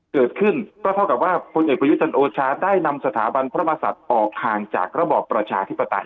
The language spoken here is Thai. เกิดขึ้นก็เท่ากับว่าพลเอกประยุจันทร์โอชาได้นำสถาบันพระมศัตริย์ออกห่างจากระบอบประชาธิปไตย